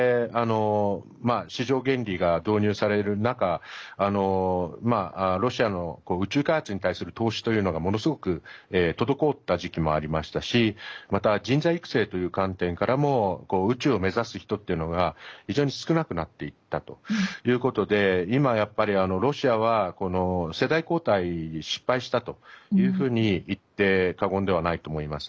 市場原理が導入される中ロシアの宇宙開発に対する投資というのがものすごく滞った時期もありましたしまた人材育成という観点からも宇宙を目指す人っていうのが非常に少なくなっていったということで今、やっぱりロシアはこの世代交代に失敗したというふうに言って過言ではないと思います。